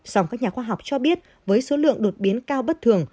song các nhà khoa học cho biết với số lượng đột biến cao bất thường